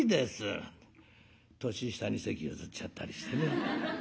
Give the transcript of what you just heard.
年下に席譲っちゃったりしてね。